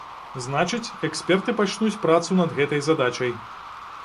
Значыць, эксперты пачнуць працу над гэтай задачай.